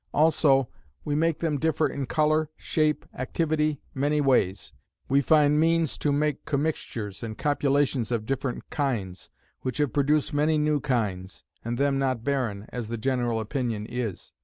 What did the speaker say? Also we make them differ in colour, shape, activity, many ways. We find means to make commixtures and copulations of different kinds; which have produced many new kinds, and them not barren, as the general opinion is.